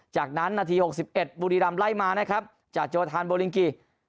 จากนั้นนาที๖๑บุรีรำไล่มานะครับจากโจทานโบลิงกี